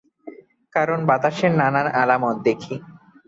কারণ বাতাসের নানান আলামত দেখি।